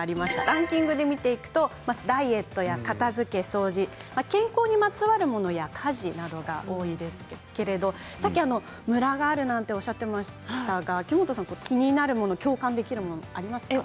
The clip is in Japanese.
ランキングで見ていくとダイエットや片づけ、掃除健康にまつわるものや家事が多いですけれどさっき、ムラがあるなんておっしゃっていましたが秋元さん、気になるもの共感できるもの、ありますか？